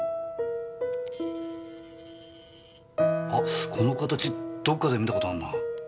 あこの形どっかで見た事あるなぁ。